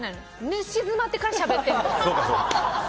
寝静まってからしゃべってる。